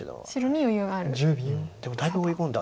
でもだいぶ追い込んだ。